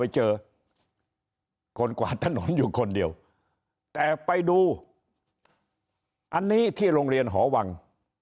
เจอคนกวาดถนนอยู่คนเดียวแต่ไปดูอันนี้ที่โรงเรียนหอวัง